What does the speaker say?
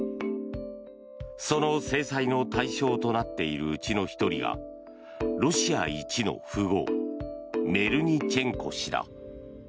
その制裁の対象となっているうちの１人がロシア一の富豪メルニチェンコ氏だ。